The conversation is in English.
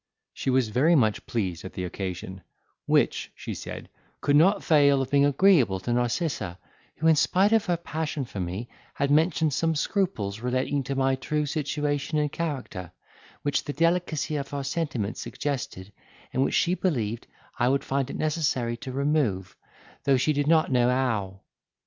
She was very much pleased at the occasion, "which," she said, "could not fail of being agreeable to Narcissa, who, in spite of her passion for me, had mentioned some scruples relating to my true situation and character, which the delicacy of her sentiments suggested, and which she believed I would find it necessary to remove, though she did not know how."